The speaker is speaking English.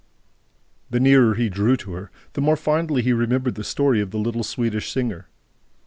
The nearer he drew to her, the more fondly he remembered the story of the little Swedish singer.